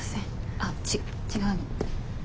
あっち違うの。